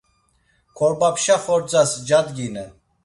Korbapşa xordzas cadginen.